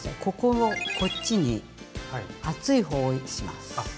ここをこっちに熱い方をします。